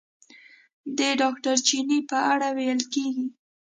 د ډاکټر چیني په اړه ویل کېږي.